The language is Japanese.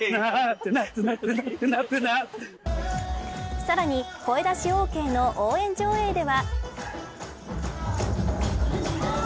さらに声出しオーケーの応援上映では。